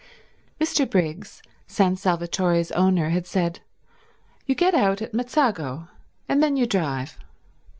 Mr. Briggs, San Salvatore's owner, had said, "You get out at Mezzago, and then you drive."